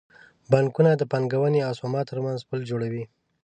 بانکونه د پانګونې او سپما ترمنځ پل جوړوي.